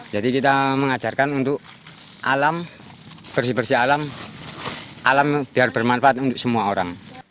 jadi kita mengajarkan untuk alam bersih bersih alam alam biar bermanfaat untuk semua orang